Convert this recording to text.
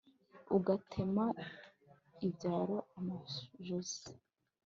ugatema ibyaro amajosi